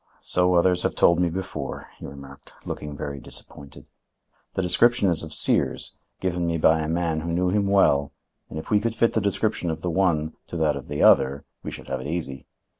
"So others have told me before;" he remarked, looking very disappointed. "The description is of Sears given me by a man who knew him well, and if we could fit the description of the one to that of the other, we should have it easy.